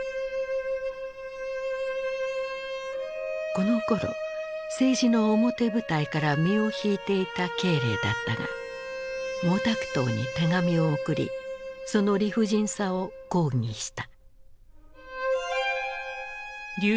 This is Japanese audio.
このころ政治の表舞台から身を引いていた慶齢だったが毛沢東に手紙を送りその理不尽さを抗議した。